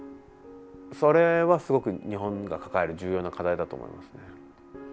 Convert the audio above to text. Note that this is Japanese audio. それは、すごく日本が抱える重要な課題だと思いますね。